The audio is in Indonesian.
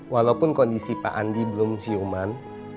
walaupun kondisi pak andi belum ciuman